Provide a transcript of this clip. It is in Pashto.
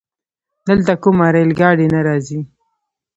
دلته کومه رايل ګاډی نه راځي؟